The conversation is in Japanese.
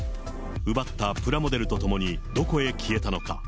奪ったプラモデルとともに、どこへ消えたのか。